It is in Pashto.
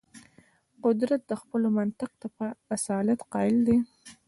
قدرت خپلو منطق ته په اصالت قایل دی.